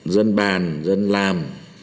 dân bàn dân làm